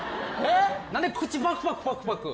何で口パクパクパクパク。